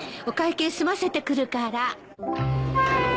お会計済ませてくるから。